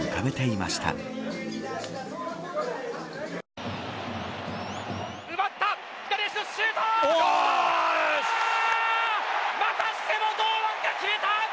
またしても堂安が決めた。